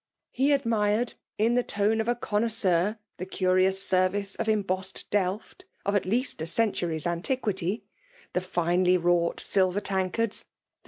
He admired* in the tone of a connoisseur, the curious service of embossed delft> of at least a century's antiqoityir— the finely wrought silver tankards^ — the.